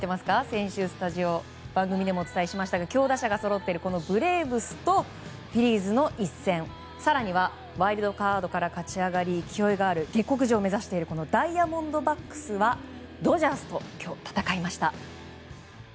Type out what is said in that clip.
先週番組でもお伝えしましたが強打者がそろっているブレーブスとフィリーズの一戦更にはワイルドカードから勝ち上がり、勢いがある下剋上を目指しているダイヤモンドバックスはドジャースと今日、戦いました。